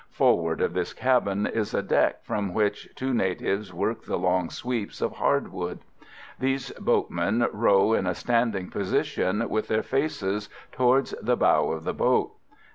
Forward of this cabin is a deck from which two natives work the long sweeps of hardwood. These boatmen row in a standing position, with their faces towards the bow of the boat.